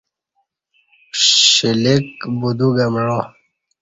شلیک بدا گہ معا